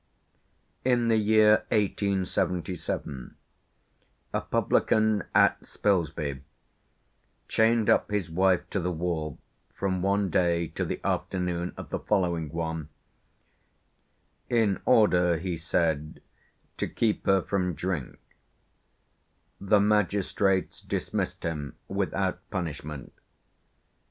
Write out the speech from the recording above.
In the year 1877 a publican at Spilsby chained up his wife to the wall from one day to the afternoon of the following one, in order, he said, to keep her from drink; the magistrates dismissed him without punishment.